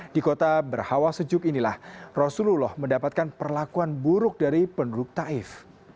di kota berhawa sejuk inilah rasulullah mendapatkan perlakuan buruk dari penduduk taif